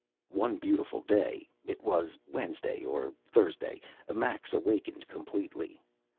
One beautiful day it was Wednesday or Thursday Max awakened completely.